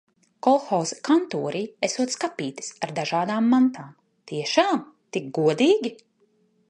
Kolhoza kantorī esot skapītis ar dažādām mantām. Tiešām? Tik godīgi?